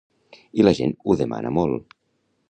I la gent ho demana molt.